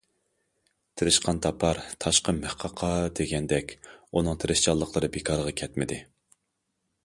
‹‹ تىرىشقان تاپار، تاشقا مىخ قاقار›› دېگەندەك ئۇنىڭ تىرىشچانلىقلىرى بىكارغا كەتمىدى.